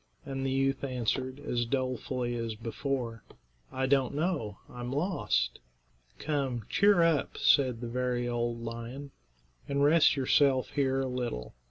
And the youth answered, as dolefully as before, "I don't know; I'm lost." "Come, cheer up," said the very old lion, "and rest yourself here a little.